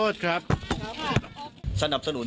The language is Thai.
สนับสนุน